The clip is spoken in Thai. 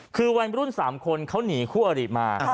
คือวัยมือรุ่น๓คนเขาหนีคั่วหลีมา